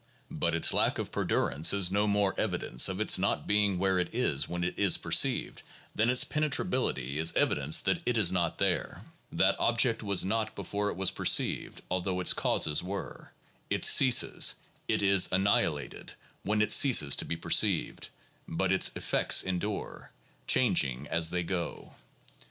But its lack of perdurance is no more evidence of its not being where it is when it is perceived, than its penetrability is evidence that 1 Lovejoy, op. cit., p. 596. 168 THE PHILOSOPHICAL REVIEW. [Vol. XXI. it is not there. That object was not before it was perceived, although its causes were; it ceases, it is annihilated, when it ceases to be perceived; but its effects endure, 1 changing as they go.